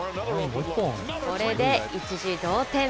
これで一時、同点。